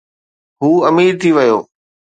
هو امير ٿي ويو